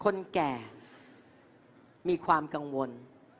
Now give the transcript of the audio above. ก็จะมีความกังวล